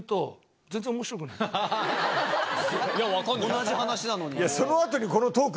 同じ話なのに？